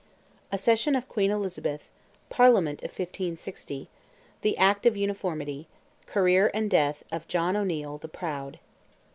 ACCESSION OF QUEEN ELIZABETH—PARLIAMENT OF 1560—THE ACT OF UNIFORMITY—CAREER AND DEATH OF JOHN O'NEIL "THE PROUD."